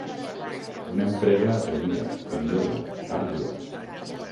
Una empresa atrevida, perillosa, àrdua.